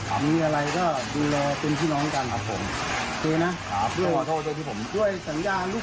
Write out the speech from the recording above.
อ่ามีอะไรอะไรไม่ติดใจเอาความกันเราจะพึ่งทากันครับ